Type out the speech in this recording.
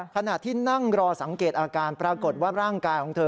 ขณะที่นั่งรอสังเกตอาการปรากฏว่าร่างกายของเธอ